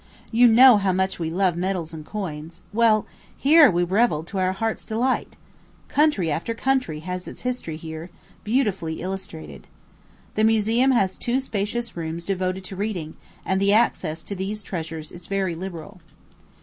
You know how much we love medals and coins; well, here we revelled to our heart's delight. Country after country has its history here, beautifully illustrated. The museum has two spacious rooms devoted to reading, and the access to these treasures is very liberal.